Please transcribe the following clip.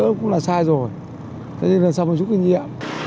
nói chung là xảy tôi vì là nói chung là hành vi uống rượu bia là nó không hợp lý